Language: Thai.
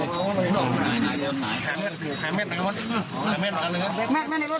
กลุ่มตัวเชียงใหม่